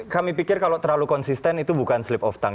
kami pikir kalau terlalu konsisten itu bukan sleep of toug